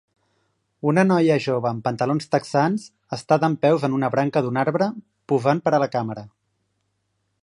Una noia jove amb pantalons texans està dempeus en una branca d'un arbre posant per a la càmera.